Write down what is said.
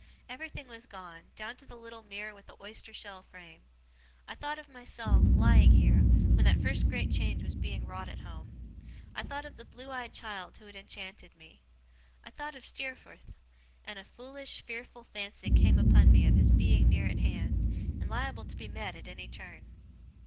Everything was gone, down to the little mirror with the oyster shell frame. I thought of myself, lying here, when that first great change was being wrought at home. I thought of the blue eyed child who had enchanted me. I thought of Steerforth: and a foolish, fearful fancy came upon me of his being near at hand, and liable to be met at any turn.